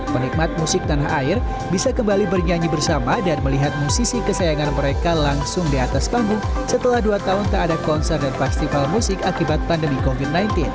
penikmat musik tanah air bisa kembali bernyanyi bersama dan melihat musisi kesayangan mereka langsung di atas panggung setelah dua tahun tak ada konser dan festival musik akibat pandemi covid sembilan belas